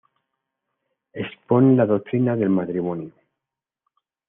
Expone la doctrina del matrimonio.